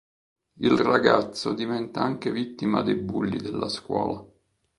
Il ragazzo diventa anche vittima dei bulli della scuola.